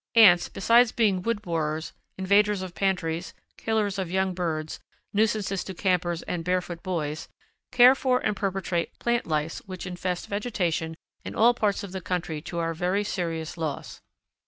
Ants, besides being wood borers, invaders of pantries, killers of young birds, nuisances to campers and barefoot boys, care for and perpetuate plant lice which infest vegetation in all parts of the country to our very serious loss.